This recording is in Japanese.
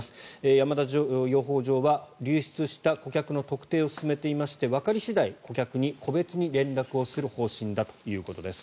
山田養蜂場は流出した顧客の特定を進めておりわかり次第、顧客に個別に連絡をする方針だということです。